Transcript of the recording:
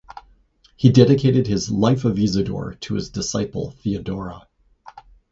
He dedicated his "Life of Isidore" to his disciple Theodora.